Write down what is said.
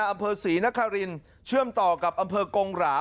อำเภอศรีนครินเชื่อมต่อกับอำเภอกงหรา